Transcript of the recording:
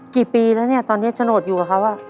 กี่ปีแล้วเนี่ยตอนนี้โฉนดอยู่กับเขา